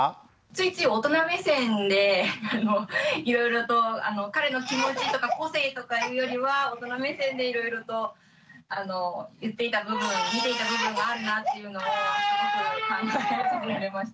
ついつい大人目線でいろいろと彼の気持ちとか個性とかいうよりは大人目線でいろいろと言っていた部分見ていた部分があるなっていうのをすごく考えさせられました。